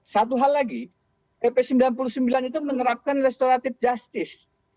satu hal lagi pp sembilan puluh sembilan itu menerapkan restoratif justice